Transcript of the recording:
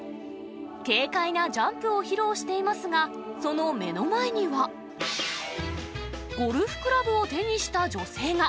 軽快なジャンプを披露していますが、その目の前には。ゴルフクラブを手にした女性が。